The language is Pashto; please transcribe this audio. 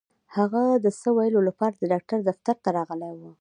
هغه د څه ويلو لپاره د ډاکټر دفتر ته راغلې وه.